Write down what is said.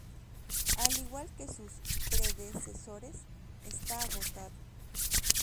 Al igual que sus predecesores está agotado.